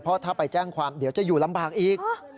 เพราะถ้าไปแจ้งความเดี๋ยวจะอยู่ลำบากอีก